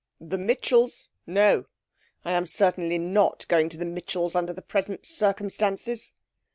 'The Mitchells'? No I am certainly not going to the Mitchells' under the present circumstances.'